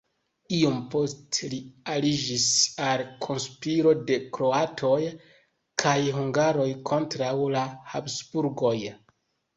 Iom poste li aliĝis al konspiro de kroatoj kaj hungaroj kontraŭ la Habsburgoj.